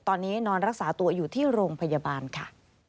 ตอนนี้นอนรักษาตัวอยู่ที่โรงพยาบาลค่ะ